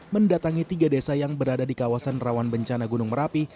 mendatangi tiga desa yang berada di kawasan rawan bencana gunung merapi